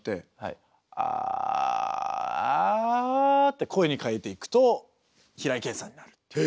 「アア」って声に変えていくと平井堅さんになるっていう。